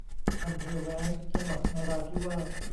อำเภอแว้ง จังหวัดนราธิวาส